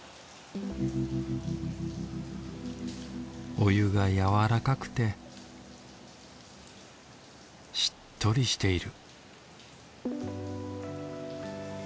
お湯がやわらかくてしっとりしている